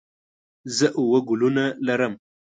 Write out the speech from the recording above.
زه اووه ګلونه لرم.